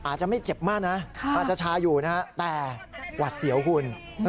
อาจจะไม่เจ็บมากนะอาจจะชาอยู่นะครับแต่หวัดเสี่ยวคุณนะครับคุณแม่น